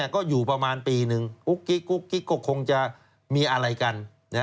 ก็อยู่ประมาณปีหนึ่งกุ๊กกิ๊กกุ๊กกิ๊กก็คงจะมีอะไรกัน